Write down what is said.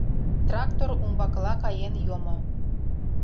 Трактор умбакыла каен йомо.